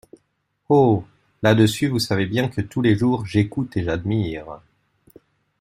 Oh ! là-dessus, vous savez bien que tous les jours j’écoute et j’admire…